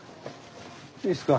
いいすか。